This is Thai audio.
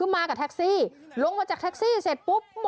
มาไอ้ตีด้วย